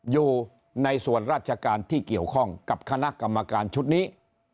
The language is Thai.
อยู่ในส่วนราชการที่เกี่ยวข้องกับคณะกรรมการชุดนี้